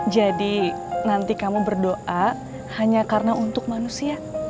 jadi nanti kamu berdoa hanya karena untuk manusia